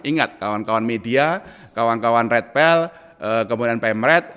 ingat kawan kawan media kawan kawan redpel kemudian pemret